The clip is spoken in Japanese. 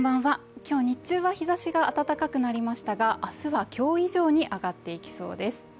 今日、日中は日ざしが暖かくなりましたが、明日は今日以上に上がっていきそうです。